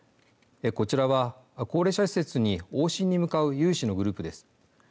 こちらは高齢者施設に往診に向かう有志のグループです。